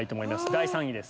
第３位です。